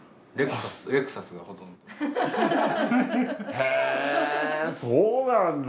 へぇそうなんだ！